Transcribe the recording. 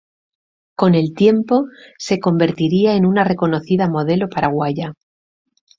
Con el tiempo se convertiría en una reconocida modelo paraguaya.